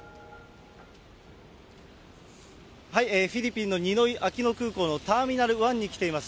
フィリピンのニノイ・アキノ空港のターミナル１に来ています。